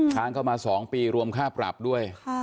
ค้างเข้ามา๒ปีรวมค่าปรับด้วย